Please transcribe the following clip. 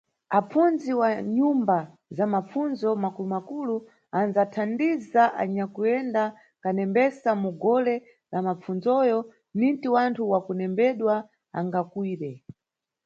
Apfundzi wa nyumba za mapfundzo makulumakulu anʼdzathandiza anyakuyenda kanembesa mu gole la mapfundzoyo, ninti wanthu wa kunembedwa angakwire.